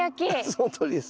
そのとおりです。